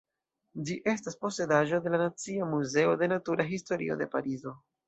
Ĝi estas posedaĵo de la Nacia Muzeo de Natura Historio de Parizo.